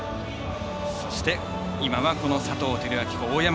そして、今は佐藤輝明や大山。